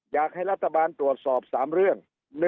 อยากให้รัฐบาลตรวจสอบ๓เรื่อง